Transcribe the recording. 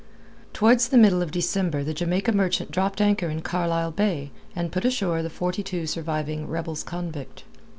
Towards the middle of December the Jamaica Merchant dropped anchor in Carlisle Bay, and put ashore the forty two surviving rebels convict.